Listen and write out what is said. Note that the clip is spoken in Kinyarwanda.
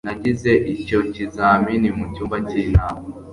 Nagize icyo kizamini mucyumba cyinama